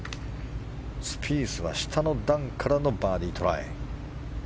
スピースは下の段からのバーディートライ。